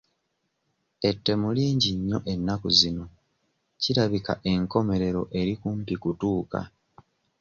Ettemu lingi nnyo ennaku zino kirabika enkomerero eri kumpi kutuuka.